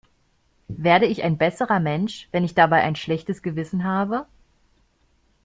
Werde ich ein besserer Mensch, wenn ich dabei ein schlechtes Gewissen habe?